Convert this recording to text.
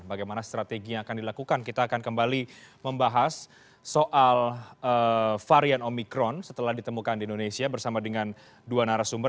bagaimana strategi yang akan dilakukan kita akan kembali membahas soal varian omikron setelah ditemukan di indonesia bersama dengan dua narasumber